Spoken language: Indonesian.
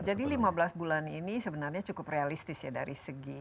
jadi lima belas bulan ini sebenarnya cukup realistis ya dari segi